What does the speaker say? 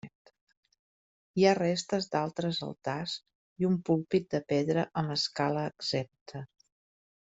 Hi ha restes d'altres altars i un púlpit de pedra amb escala exempta.